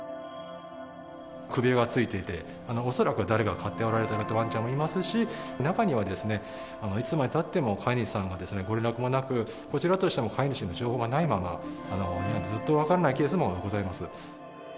首輪ついてて、恐らくは誰かが飼っておられたようなわんちゃんもいますし、中には、いつまでたっても飼い主さんのご連絡もなく、こちらとしても飼い主の情報がないまま、ずっと分からないケースもございます。